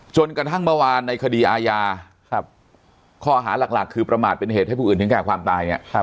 จนกระทั่งเมื่อวานในคดีอาญาข้อหาหลักคือประมาทเป็นเหตุให้ผู้อื่นถึงแก่ความตายเนี่ย